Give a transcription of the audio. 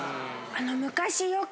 昔よく。